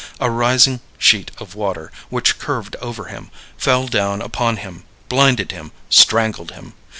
A rising sheet of water, which curved over him, fell down upon him, blinded him, strangled him!